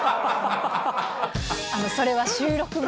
それは収録前。